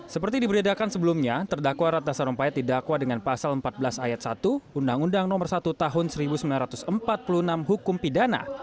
seperti diberitakan sebelumnya terdakwa ratna sarumpait didakwa dengan pasal empat belas ayat satu undang undang nomor satu tahun seribu sembilan ratus empat puluh enam hukum pidana